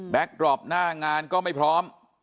ดรอปหน้างานก็ไม่พร้อม